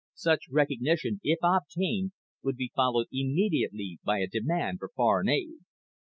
Such recognition, if obtained, would be followed immediately by a demand for "foreign aid."